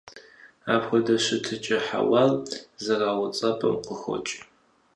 Апхуэдэ щытыкӏэр хьэуар зэрауцӀэпӀым къыхокӀ.